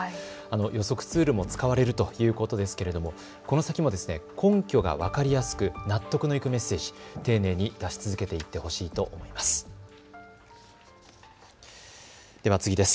予測ツールも使われるということですけれどもこの先も根拠が分かりやすく、納得のいくメッセージ、丁寧に出し続けていってほしいと思います。